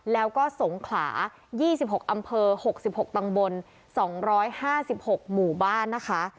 แล้วก็สงขลายี่สิบหกอำเภอหกสิบหกต่างบนสองร้อยห้าสิบหกหมู่บ้านนะคะ